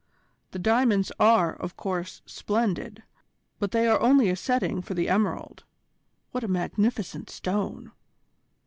The diamonds are, of course, splendid, but they are only a setting for the emerald. What a magnificent stone!